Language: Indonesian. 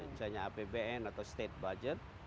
misalnya apbn atau state budget